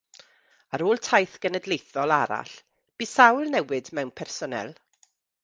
Ar ôl taith genedlaethol arall, bu sawl newid mewn personél.